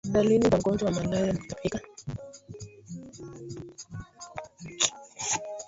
dalili za mgonjwa wa malaria ni kutapika